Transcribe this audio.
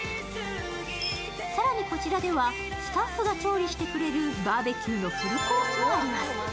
更にこちらではスタッフが調理してくれるバーベキューのフルコースもあります。